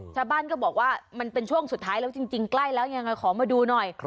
ชาวบ้านก็บอกว่ามันเป็นช่วงสุดท้ายแล้วจริงใกล้แล้วยังไงขอมาดูหน่อย